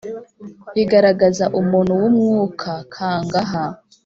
bigaragaza umuntu w’umwuka; kangha,